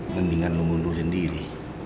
mendingan lo mundur sendiri